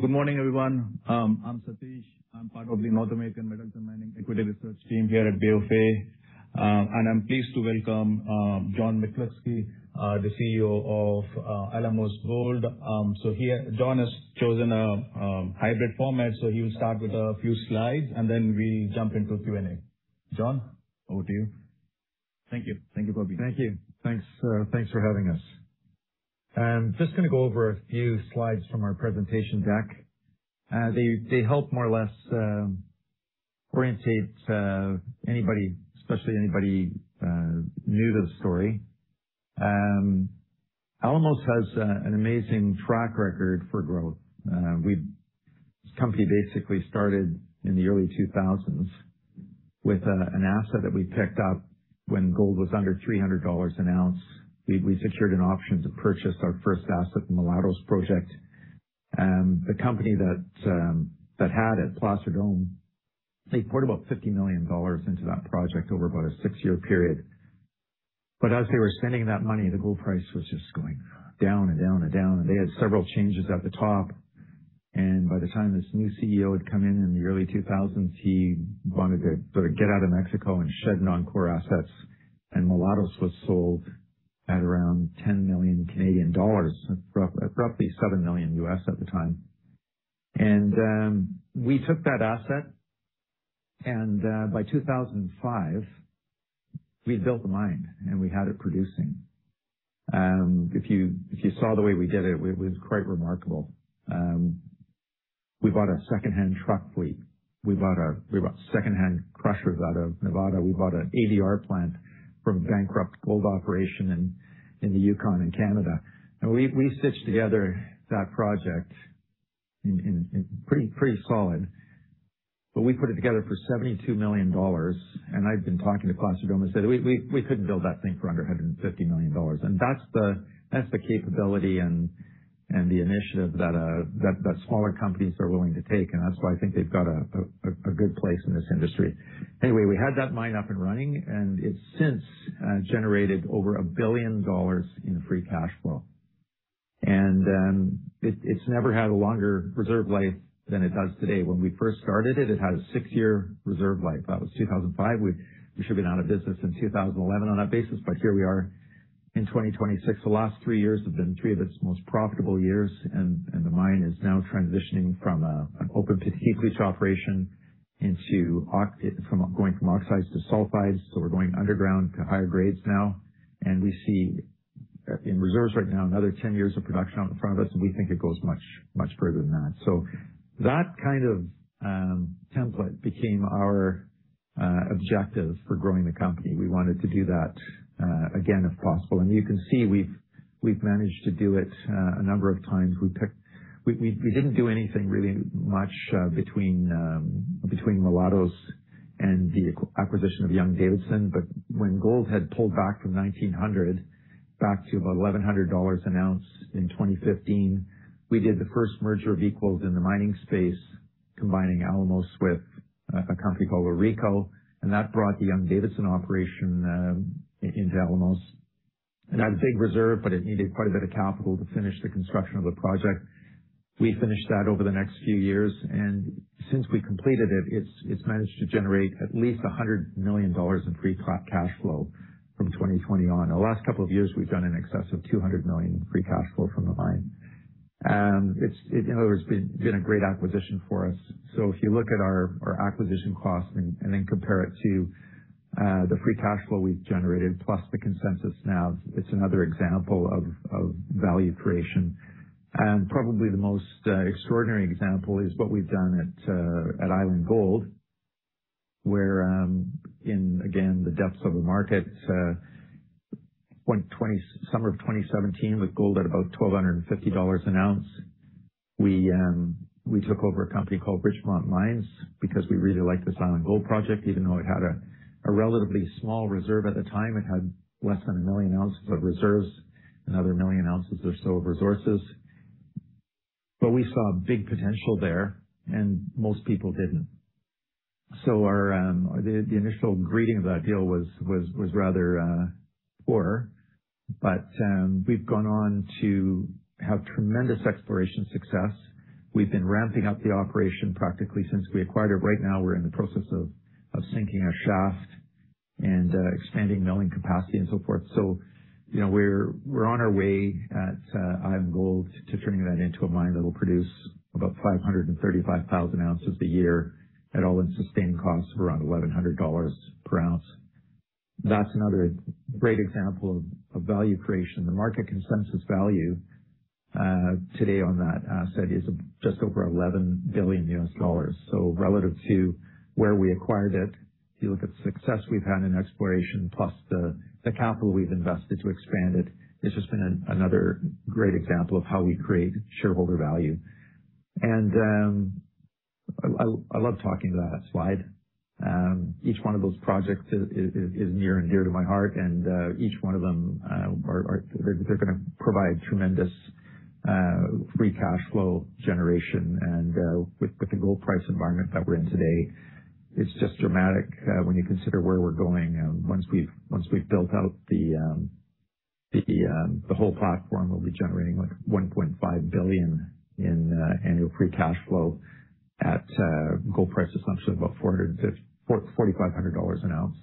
Good morning, everyone. I'm Sathish. I'm part of the North American Metals and Mining Equity Research team here at BofA. I'm pleased to welcome John McCluskey, the CEO of Alamos Gold. John has chosen a hybrid format, so he'll start with a few slides, and then we jump into Q&A. John, over to you. Thank you. Thank you, buddy. Thank you. Thanks, thanks for having us. Just gonna go over a few slides from our presentation deck. They help more or less orientate anybody, especially anybody new to the story. Alamos has an amazing track record for growth. This company basically started in the early 2000s with an asset that we picked up when gold was under $300 an ounce. We secured an option to purchase our first asset from the Mulatos project. The company that had it, Placer Dome, they poured about $50 million into that project over about a six-year period. As they were spending that money, the gold price was just going down and down and down. They had several changes at the top. By the time this new CEO had come in in the early 2000s, he wanted to sort of get out of Mexico and shed non-core assets, Mulatos was sold at around 10 million Canadian dollars, roughly $7 million at the time. We took that asset, by 2005, we'd built a mine, and we had it producing. If you saw the way we did it was quite remarkable. We bought a secondhand truck fleet. We bought secondhand crushers out of Nevada. We bought an ADR plant from a bankrupt gold operation in the Yukon in Canada. We stitched together that project in pretty solid, but we put it together for $72 million. I'd been talking to Placer Dome and said, "We couldn't build that thing for under $150 million." That's the capability and the initiative that smaller companies are willing to take. That's why I think they've got a good place in this industry. Anyway, we had that mine up and running, and it's since generated over $1 billion in free cash flow. It's never had a longer reserve life than it does today. When we first started it had a six-year reserve life. That was 2005. We should have been out of business in 2011 on that basis, but here we are in 2026. The last three years have been three of its most profitable years, and the mine is now transitioning from an open pit heap leach operation from going from oxides to sulfides. We're going underground to higher grades now, and we see, in reserves right now, another 10 years of production out in front of us, and we think it goes much, much further than that. That kind of template became our objective for growing the company. We wanted to do that again, if possible. You can see we've managed to do it a number of times. We didn't do anything really much between Mulatos and the acquisition of Young-Davidson. When gold had pulled back from $1,900 back to about $1,100 an ounce in 2015, we did the first merger of equals in the mining space, combining Alamos with a company called AuRico. That brought the Young-Davidson operation into Alamos. It had a big reserve, but it needed quite a bit of capital to finish the construction of the project. We finished that over the next few years. Since we completed it's managed to generate at least $100 million in free cash flow from 2020 on. The last couple of years, we've done in excess of $200 million in free cash flow from the mine. It's, in other words, been a great acquisition for us. If you look at our acquisition cost and then compare it to the free cash flow we've generated, plus the consensus now, it's another example of value creation. Probably the most extraordinary example is what we've done at Island Gold, where, in again, the depths of the markets, when summer of 2017, with gold at about $1,250 an ounce, we took over a company called Richmont Mines because we really liked this Island Gold project, even though it had a relatively small reserve at the time. It had less than 1 million ounces of reserves, another 1 million ounces or so of resources. We saw big potential there, and most people didn't. The initial greeting of that deal was rather poor. We've gone on to have tremendous exploration success. We've been ramping up the operation practically since we acquired it. Right now, we're in the process of sinking a shaft and expanding milling capacity and so forth. You know, we're on our way at Island Gold to turning that into a mine that will produce about 535,000 oz a year at all-in sustaining costs of around $1,100 per ounce. That's another great example of value creation. The market consensus value today on that asset is just over $11 billion. Relative to where we acquired it, if you look at the success we've had in exploration plus the capital we've invested to expand it it's just been another great example of how we create shareholder value. I love talking to that slide. Each one of those projects is near and dear to my heart, and each one of them, they're gonna provide tremendous free cash flow generation. With the gold price environment that we're in today, it's just dramatic when you consider where we're going, once we've built out the whole platform will be generating like $1.5 billion in annual free cash flow at gold price assumption of about $4,500 an ounce.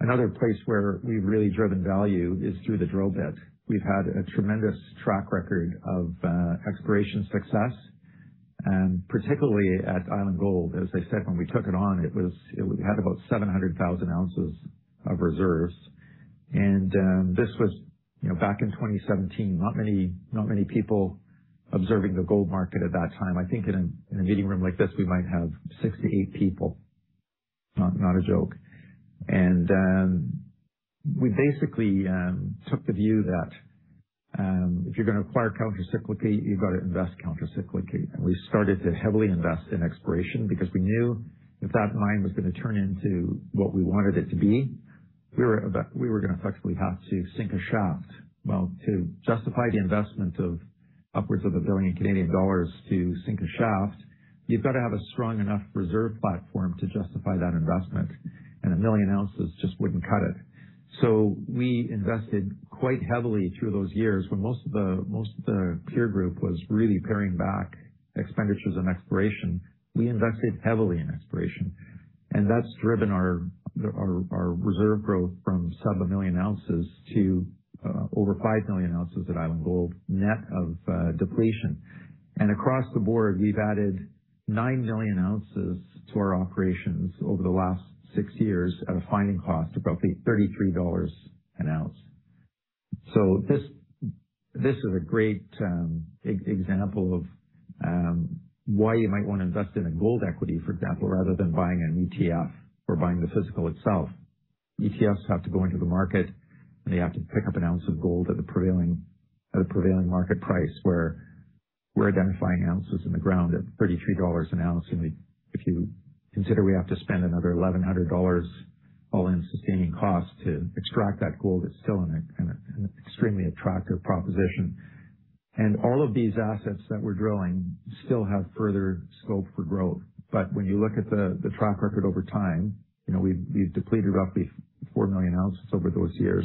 Another place where we've really driven value is through the drill bit. We've had a tremendous track record of exploration success, and particularly at Island Gold. As I said, when we took it on, it had about 700,000 oz of reserves. This was, you know, back in 2017. Not many people observing the gold market at that time. I think in a meeting room like this, we might have six to eight people. Not a joke. We basically took the view that if you're gonna acquire countercyclically, you've got to invest countercyclically. We started to heavily invest in exploration because we knew if that mine was gonna turn into what we wanted it to be, we were gonna effectively have to sink a shaft. Well, to justify the investment of upwards of $1 billion to sink a shaft, you've got to have a strong enough reserve platform to justify that investment, and 1 million oz just wouldn't cut it. We invested quite heavily through those years. When most of the peer group was really paring back expenditures on exploration, we invested heavily in exploration. That's driven our reserve growth from sub-1 million oz to over 5 million oz at Island Gold, net of depletion. Across the board, we've added 9 million oz to our operations over the last six years at a finding cost of roughly $33 an ounce. This is a great example of why you might want to invest in a gold equity, for example, rather than buying an ETF or buying the physical itself. ETFs have to go into the market, they have to pick up an ounce of gold at a prevailing market price, where we're identifying ounces in the ground at $33 an ounce. If you consider we have to spend another $1,100 all-in sustaining cost to extract that gold, it's still an extremely attractive proposition. All of these assets that we're drilling still have further scope for growth. When you look at the track record over time, you know, we've depleted roughly 4 million oz over those years,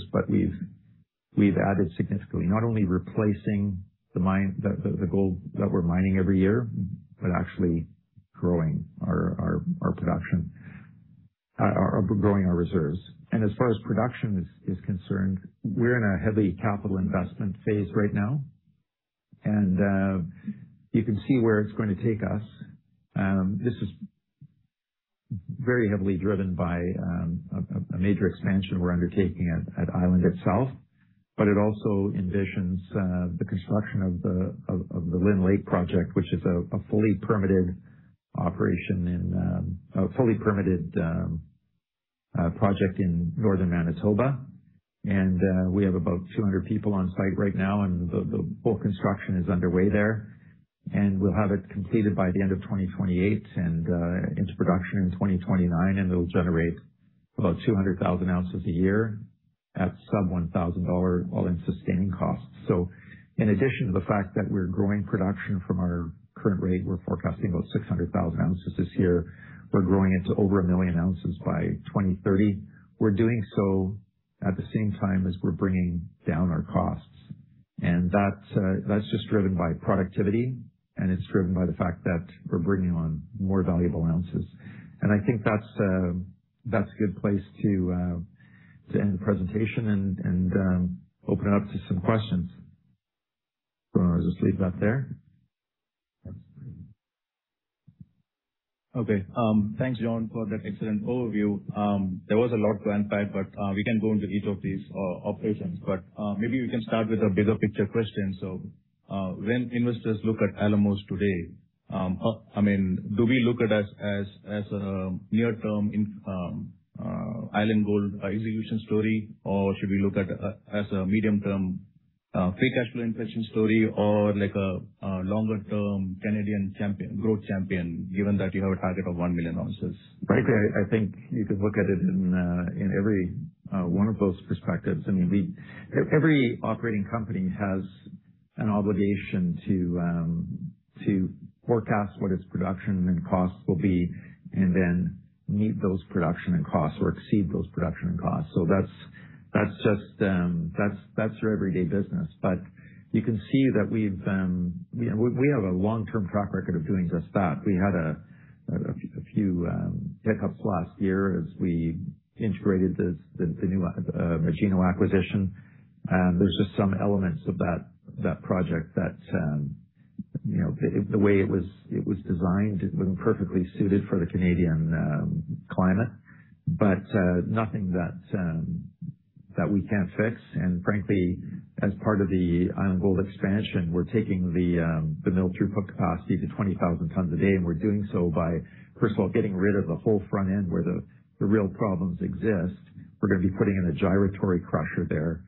we've added significantly, not only replacing the gold that we're mining every year, but actually growing our production or growing our reserves. As far as production is concerned, we're in a heavy capital investment phase right now, and you can see where it's going to take us. This is very heavily driven by a major expansion we're undertaking at Island itself, but it also envisions the construction of the Lynn Lake project, which is a fully-permitted operation in a full-permitted project in northern Manitoba. We have about 200 people on site right now, and the bulk construction is underway there. We'll have it completed by the end of 2028 and into production in 2029, and it'll generate about 200,000 oz a year at sub-$1,000 all-in sustaining costs. In addition to the fact that we're growing production from our current rate, we're forecasting about 600,000 oz this year. We're growing it to over 1 million oz by 2030. We're doing so at the same time as we're bringing down our costs. That's, that's just driven by productivity, and it's driven by the fact that we're bringing on more valuable ounces. I think that's a good place to end the presentation and open up to some questions. I'll just leave that there. Thanks, John, for that excellent overview. There was a lot to unpack, we can go into each of these operations. Maybe we can start with a bigger picture question. When investors look at Alamos Gold today, I mean, do we look at us as a near-term Island Gold execution story? Should we look at as a medium-term free cash flow inflation story or like a longer-term Canadian champion, growth champion, given that you have a target of 1 million oz? Right. I think you could look at it in every one of those perspectives. I mean, every operating company has an obligation to forecast what its production and costs will be and then meet those production and costs or exceed those production and costs. That's just that's your everyday business. You can see that we've, you know, we have a long-term track record of doing just that. We had a few hiccups last year as we integrated this the new Magino acquisition. There's just some elements of that project that, you know, the way it was designed, it wasn't perfectly suited for the Canadian climate. Nothing that we can't fix. Frankly, as part of the Island Gold expansion, we are taking the mill throughput capacity to 20,000 tons/day, and we are doing so by, first of all, getting rid of the whole front end where the real problems exist. We are going to be putting in a gyratory crusher there.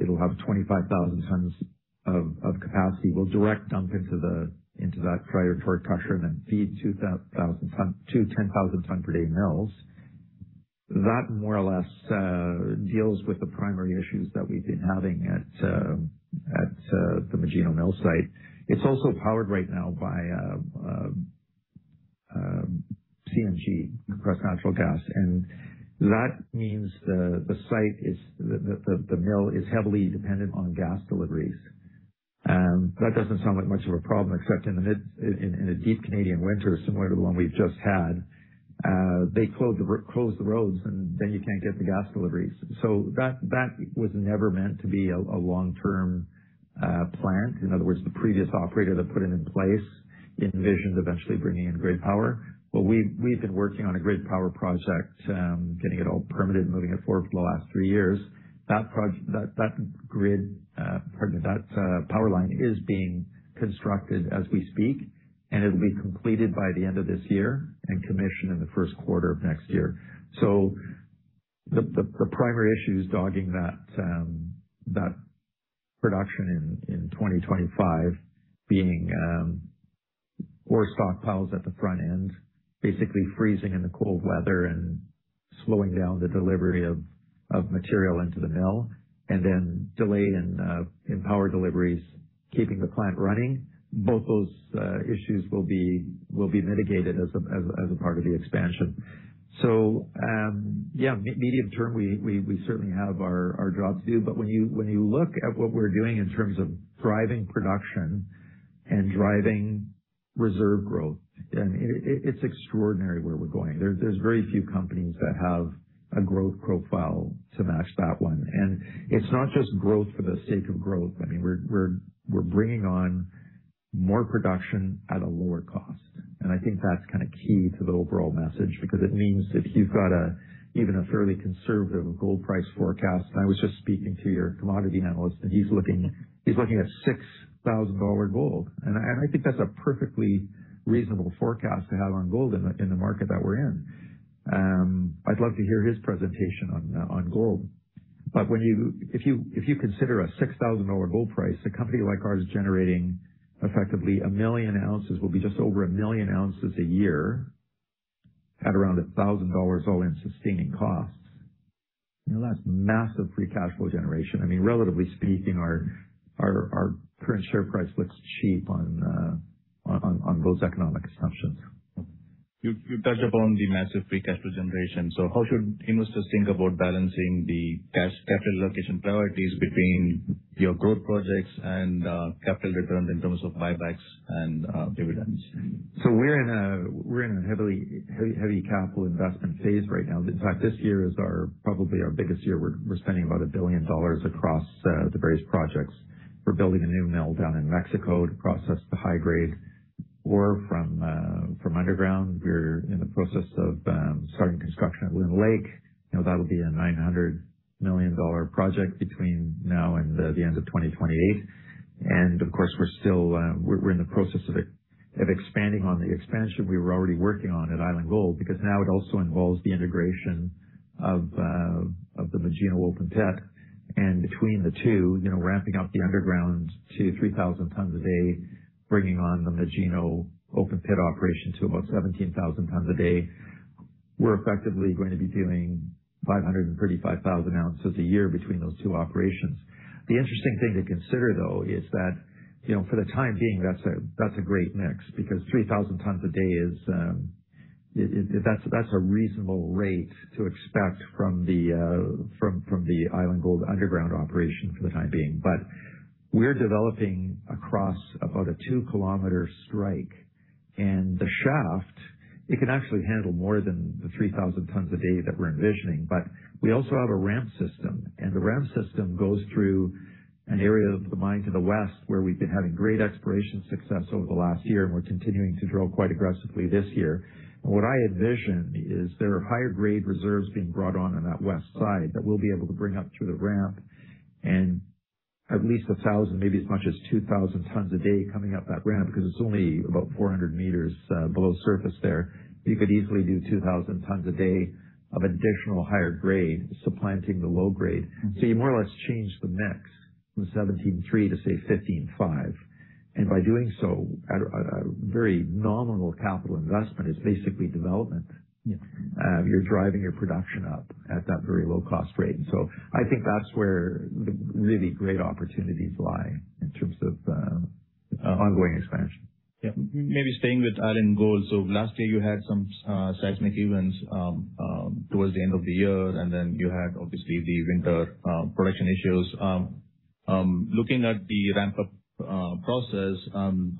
It will have 25,000 tons of capacity. We will direct dump into that gyratory crusher and then feed two 10,000 ton/day mills. That more or less deals with the primary issues that we have been having at the Magino mill site. It is also powered right now by CNG, compressed natural gas. That means the site is, the mill is heavily dependent on gas deliveries. That doesn't sound like much of a problem, except in a deep Canadian winter, similar to the one we've just had, they close the roads, and then you can't get the gas deliveries. That was never meant to be a long-term plant. In other words, the previous operator that put it in place envisioned eventually bringing in grid power. We've been working on a grid power project, getting it all permitted and moving it forward for the last three years. That grid, pardon me, that power line is being constructed as we speak, and it'll be completed by the end of this year and commissioned in the first quarter of next year. The primary issue is dogging that production in 2025 being ore stockpiles at the front end, basically freezing in the cold weather and slowing down the delivery of material into the mill and then delayed in power deliveries, keeping the plant running. Both those issues will be mitigated as a part of the expansion. Yeah, medium-term, we certainly have our job to do. When you look at what we're doing in terms of driving production and driving reserve growth, then it's extraordinary where we're going. There's very few companies that have a growth profile to match that one. It's not just growth for the sake of growth. I mean, we're bringing on more production at a lower cost. I think that's kinda key to the overall message because it means if you've got even a fairly conservative gold price forecast, I was just speaking to your commodity analyst, he's looking at $6,000 gold. I think that's a perfectly reasonable forecast to have on gold in the market that we're in. I'd love to hear his presentation on gold. If you consider a $6,000 gold price, a company like ours generating effectively 1 million oz will be just over 1 million oz a year at around $1,000 all-in sustaining costs. You know, that's massive free cash flow generation. I mean, relatively speaking, our current share price looks cheap on those economic assumptions. You touched upon the massive free cash flow generation. How should investors think about balancing the cash capital allocation priorities between your growth projects and capital returns in terms of buybacks and dividends? We're in a heavily, heavy capital investment phase right now. In fact, this year is our, probably our biggest year. We're spending about $1 billion across the various projects. We're building a new mill down in Mexico to process the high-grade ore from underground. We're in the process of starting construction at Lynn Lake. You know, that'll be a $900 million project between now and the end of 2028. Of course, we're still in the process of expanding on the expansion we were already working on at Island Gold, because now it also involves the integration of the Magino open pit. Between the two, you know, ramping up the underground to 3,000 tons/day, bringing on the Magino open pit operation to about 17,000 tons/day, we're effectively going to be doing 535,000 oz a year between those two operations. The interesting thing to consider, though, is that, you know, for the time being, that's a great mix because 3,000 tons/day is that's a reasonable rate to expect from the Island Gold underground operation for the time being. We're developing across about a 2 km strike. The shaft, it can actually handle more than the 3,000 tons/day that we're envisioning. We also have a ramp system, and the ramp system goes through an area of the mine to the west, where we've been having great exploration success over the last year, and we're continuing to drill quite aggressively this year. What I envision is there are higher-grade reserves being brought on that west side that we'll be able to bring up through the ramp and at least 1,000 tons/day, maybe as much as 2,000 tons/day coming up that ramp because it's only about 400 m below surface there. You could easily do 2,000 tons/day of additional higher grade, supplanting the low grade. You more or less change the mix from 17/3 to, say, 15/5. By doing so, at a very nominal capital investment, it's basically development. Yeah. You're driving your production up at that very low cost rate. I think that's where the really great opportunities lie in terms of ongoing expansion. Yeah. Maybe staying with Island Gold. Last year you had some seismic events towards the end of the year, and then you had obviously the winter production issues. Looking at the ramp-up process, I mean,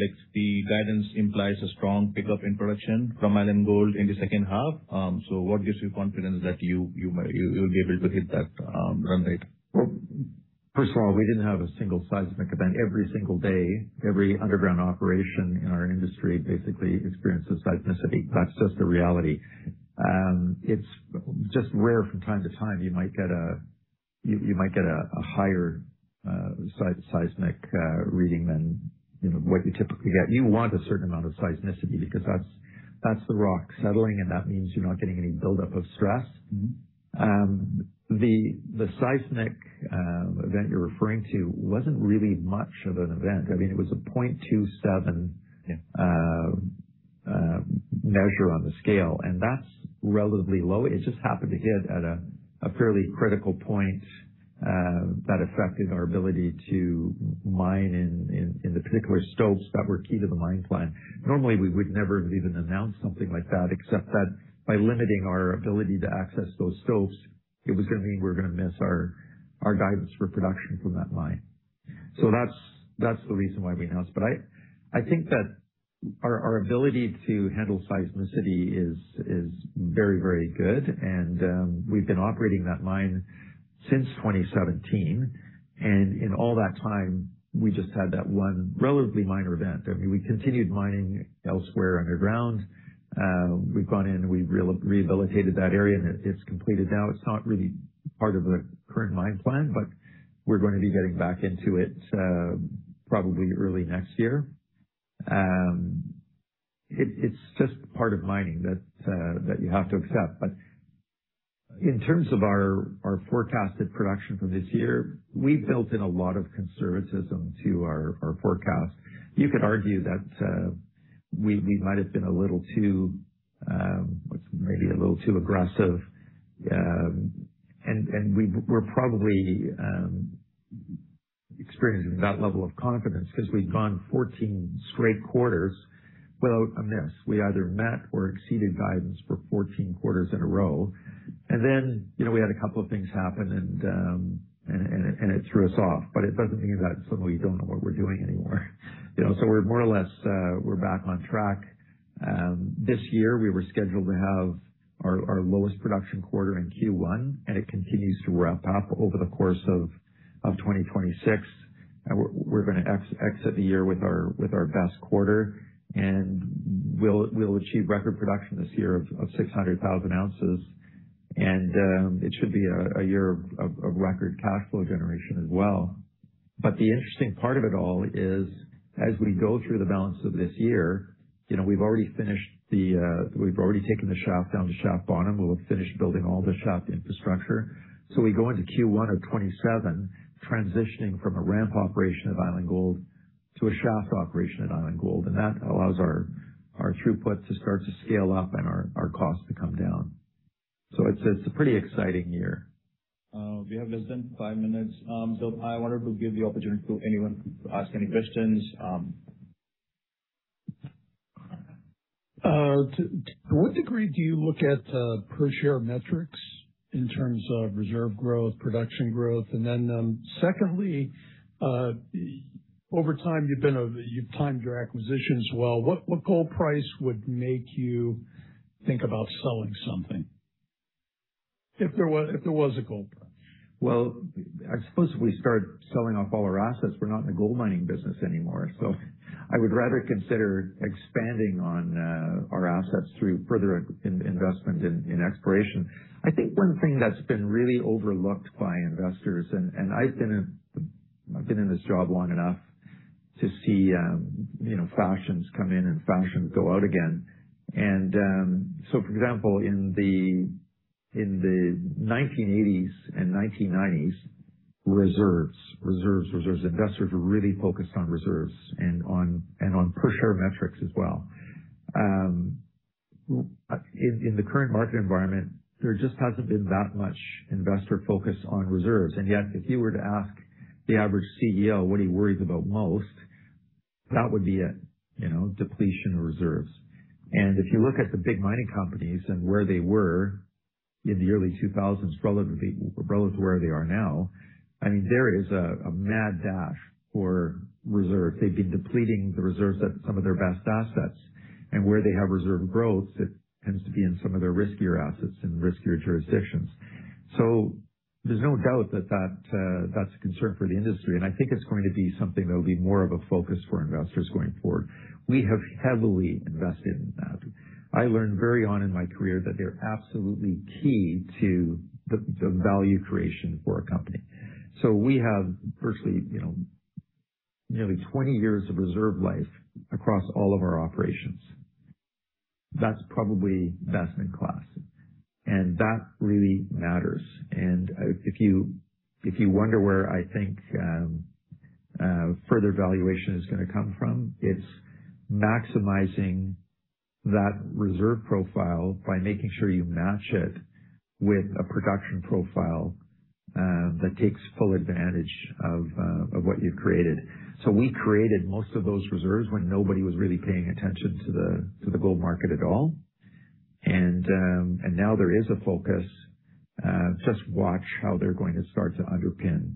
like, the guidance implies a strong pickup in production from Island Gold in the second half. What gives you confidence that you might, you'll be able to hit that run rate? Well, first of all, we didn't have a single seismic event every single day. Every underground operation in our industry basically experiences seismicity. That's just the reality. It's just rare from time to time, you might get a, you might get a higher seismic reading than, you know, what you typically get. You want a certain amount of seismicity because that's the rock settling, and that means you're not getting any buildup of stress. The seismic event you're referring to wasn't really much of an event. I mean, it was a 0.27 measure on the scale, that's relatively low. It just happened to hit at a fairly critical point that affected our ability to mine in the particular stopes that were key to the mine plan. Normally, we would never have even announced something like that, except that by limiting our ability to access those stopes, it was gonna mean we're gonna miss our guidance for production from that mine. That's the reason why we announced. I think that our ability to handle seismicity is very good and we've been operating that mine since 2017 and in all that time, we just had that one relatively minor event. I mean, we continued mining elsewhere underground. We've gone in, we've rehabilitated that area, and it's completed now. It's not really part of a current mine plan, we're going to be getting back into it, probably early next year. It's just part of mining that you have to accept. In terms of our forecasted production for this year, we've built in a lot of conservatism to our forecast. You could argue that we might have been a little too, maybe a little too aggressive. We're probably experiencing that level of confidence because we've gone 14 straight quarters without a miss. We either met or exceeded guidance for 14 quarters in a row. You know, we had a couple of things happen and it threw us off, but it doesn't mean that suddenly we don't know what we're doing anymore. You know, we're more or less, we're back on track. This year, we were scheduled to have our lowest production quarter in Q1, and it continues to ramp up over the course of 2026. We're gonna exit the year with our best quarter, and we'll achieve record production this year of 600,000 oz. It should be a year of record cash flow generation as well. The interesting part of it all is, as we go through the balance of this year, you know, we've already taken the shaft down to shaft bottom. We'll have finished building all the shaft infrastructure. We go into Q1 of 2027 transitioning from a ramp operation at Island Gold to a shaft operation at Island Gold. That allows our throughput to start to scale up and our costs to come down. It's a pretty exciting year. We have less than 5 minutes. I wanted to give the opportunity to anyone to ask any questions. To what degree do you look at per share metrics in terms of reserve growth, production growth? Secondly, over time, you've timed your acquisitions well. What gold price would make you think about selling something? If there was a gold price. Well, I suppose if we start selling off all our assets, we're not in the gold mining business anymore. I would rather consider expanding on our assets through further investment in exploration. I think one thing that's been really overlooked by investors, and I've been in this job long enough to see, you know, fashions come in and fashions go out again. For example, in the 1980s and 1990s, reserves. Investors were really focused on reserves and on per share metrics as well. In the current market environment, there just hasn't been that much investor focus on reserves. Yet, if you were to ask the average CEO what he worries about most, that would be it, you know, depletion reserves. If you look at the big mining companies and where they were in the early 2000s relatively, relative to where they are now, I mean, there is a mad dash for reserves. They've been depleting the reserves at some of their best assets. Where they have reserve growth, it tends to be in some of their riskier assets and riskier jurisdictions. There's no doubt that that's a concern for the industry, and I think it's going to be something that'll be more of a focus for investors going forward. We have heavily invested in that. I learned very on in my career that they're absolutely key to the value creation for a company. We have firstly, you know, nearly 20 years of reserve life across all of our operations. That's probably best in class, and that really matters. If you, if you wonder where I think further valuation is gonna come from, it's maximizing that reserve profile by making sure you match it with a production profile that takes full advantage of what you've created. We created most of those reserves when nobody was really paying attention to the gold market at all. Now there is a focus, just watch how they're going to start to underpin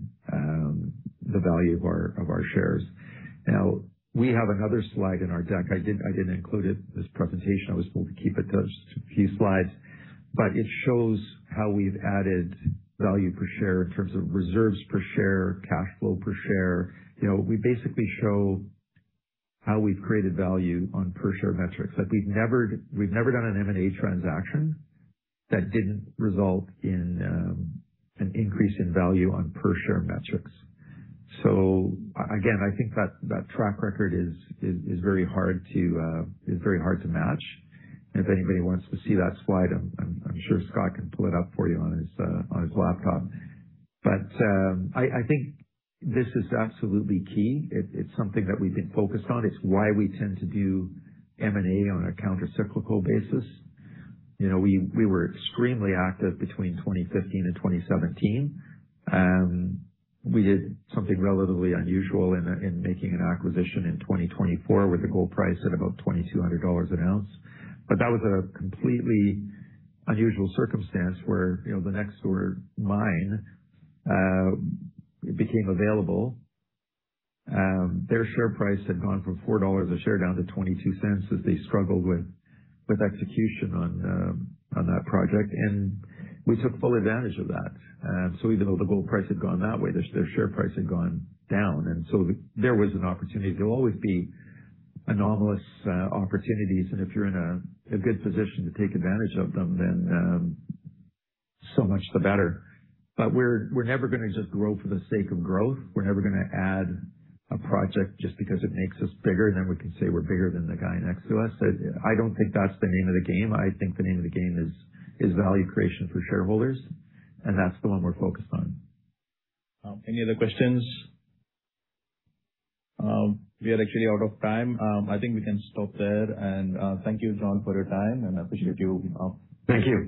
the value of our shares. Now, we have another slide in our deck. I didn't include it in this presentation. I was told to keep it to a few slides, but it shows how we've added value per share in terms of reserves per share, cash flow per share. You know, we basically show how we've created value on per share metrics. Like we've never done an M&A transaction that didn't result in an increase in value on per share metrics. Again, I think that track record is very hard to match. If anybody wants to see that slide, I'm sure Scott can pull it up for you on his laptop. I think this is absolutely key. It's something that we've been focused on. It's why we tend to do M&A on a countercyclical basis. You know, we were extremely active between 2015 and 2017. We did something relatively unusual in making an acquisition in 2024 with the gold price at about $2,200 an ounce. That was a completely unusual circumstance where, you know, the next door mine became available. Their share price had gone from $4 a share down to $0.22 as they struggled with execution on that project. We took full advantage of that. Even though the gold price had gone that way, their share price had gone down. There was an opportunity. There'll always be anomalous opportunities, and if you're in a good position to take advantage of them, then so much the better. We're never gonna just grow for the sake of growth. We're never gonna add a project just because it makes us bigger, then we can say we're bigger than the guy next to us. I don't think that's the name of the game. I think the name of the game is value creation for shareholders, and that's the one we're focused on. Any other questions? We are actually out of time. I think we can stop there. Thank you, John, for your time, and I appreciate you. Thank you.